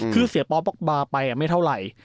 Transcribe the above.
คือเสียป๊อปบอกบาร์ไปไม่เท่าไหร่